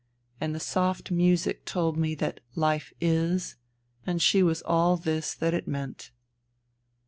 And the soft music told me that hfe is, and that she was all this that it meant.